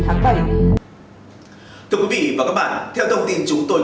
thưa quý vị và các bạn theo thông tin chúng tôi